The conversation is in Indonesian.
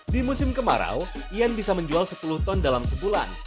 di musim kemarau ian bisa menjual sepuluh ton dalam sebulan